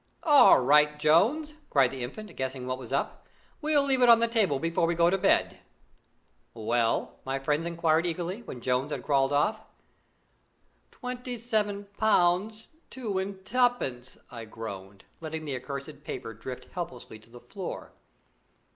"All right, Jones!" cried the Infant, guessing what was up. "We'll leave it on the table before we go to bed." "Well?" my friends enquired eagerly, when Jones had crawled off. "Twenty seven pounds two and tenpence!" I groaned, letting the accursed paper drift helplessly to the floor.